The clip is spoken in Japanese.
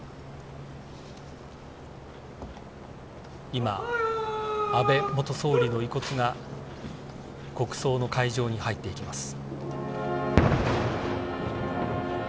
今、安倍元総理の遺骨が国葬の会場に入っていきます。